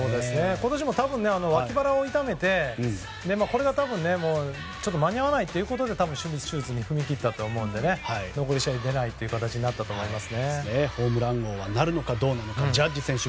今年も多分脇腹を痛めてこれが多分間に合わないということで手術に踏み切ったということだと思うので残り試合出ない形になったんだと思います。